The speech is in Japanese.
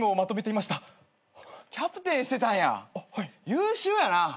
優秀やなぁ。